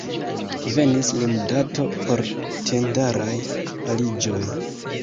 Venis limdato por tendaraj aliĝoj.